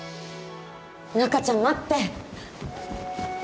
中ちゃん待って！